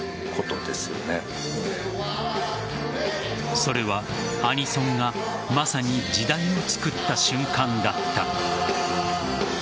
それはアニソンがまさに時代をつくった瞬間だった。